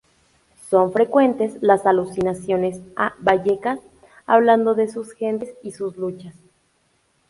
Son frecuentes las alusiones a Vallecas, hablando de sus gentes y sus luchas.